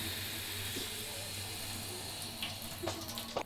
მისი მრავალი თემა და იდეა პოსტმოდერნისტული არქიტექტურული სკოლების ენამ გაითავისა.